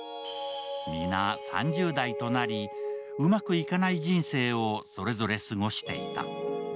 皆３０代となりうまくいかない人生をそれぞれ過ごしていた。